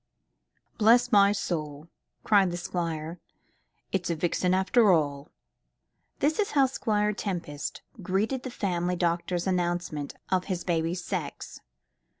"Bless my soul!" cried the Squire; "it's a vixen, after all." This is how Squire Tempest greeted the family doctor's announcement of the his baby's sex.